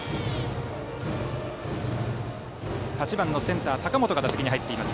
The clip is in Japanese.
８番センターの高本が打席に入っています。